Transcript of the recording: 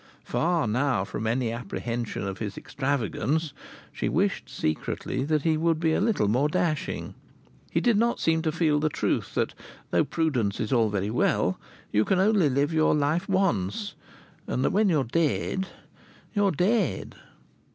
Far, now, from any apprehension of his extravagance, she wished secretly that he would be a little more dashing. He did not seem to feel the truth that, though prudence is all very well, you can only live your life once, and that when you are dead you are dead.